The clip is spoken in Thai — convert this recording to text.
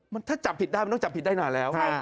มันถ้าจับผิดได้มันต้องจับผิดได้นานแล้ว